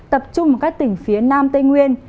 tập trung vào các tỉnh phía nam tây nguyên